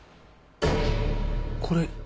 これ。